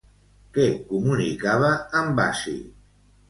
Què comunicava en Basi?